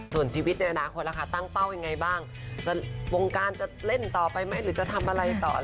ส่วนชีวิตในอนาคตล่ะค่ะตั้งเป้ายังไงบ้างวงการจะเล่นต่อไปไหมหรือจะทำอะไรต่อ